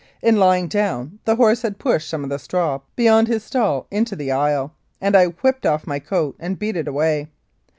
In lying down, the horse had pushed some of the straw beyond his stall into the aisle, and I whipped off my coat and beat it away.